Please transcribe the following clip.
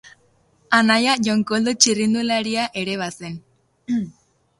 Anaia Jon Koldo txirrindularia ere bazen.